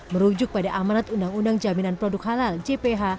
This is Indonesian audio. merujuk pada amanat undang undang jaminan produk halal jph